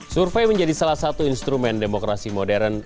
survei menjadi salah satu instrumen demokrasi modern